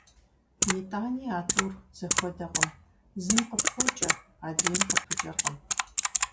Итӏани а тӏур зэхуэдэкъым: зым къыпокӏэ, адрейм къыпыкӏэркъым.